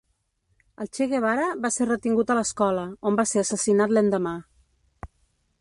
El Che Guevara va ser retingut a l'escola, on va ser assassinat l'endemà.